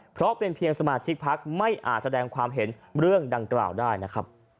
เพราะเป็นเพียงสมาชิกพักไม่อาจแสดงความเห็นเรื่องดังกล่าวได้นะครับ